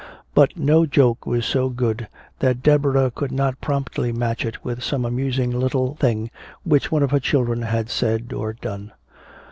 But no joke was so good that Deborah could not promptly match it with some amusing little thing which one of her children had said or done.